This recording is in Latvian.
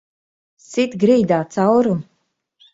Sit grīdā caurumu!